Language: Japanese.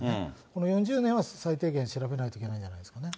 この４０年は最低限、調べないといけないんじゃないですかね。